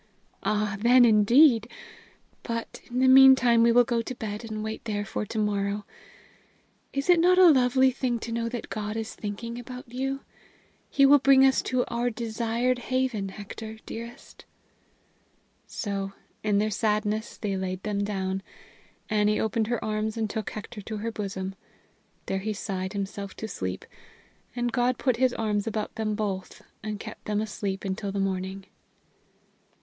"Ah, then, indeed! But, in the meantime, we will go to bed and wait there for to morrow. Is it not a lovely thing to know that God is thinking about you? He will bring us to our desired haven, Hector, dearest!" So in their sadness they laid them down. Annie opened her arms and took Hector to her bosom. There he sighed himself to sleep; and God put His arms about them both, and kept them asleep until the morning.